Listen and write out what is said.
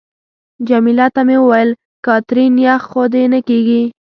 جميله ته مې وویل: کاترین، یخ خو دې نه کېږي؟